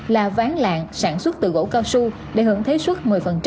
là ván lạng sản xuất từ gỗ cao su để hưởng thế suất một mươi